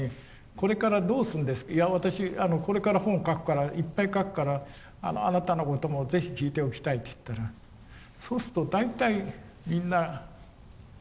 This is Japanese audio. いや私これから本書くからいっぱい書くからあなたのことも是非聞いておきたいって言ったらそうすると大体みんな語ってくれるんですね。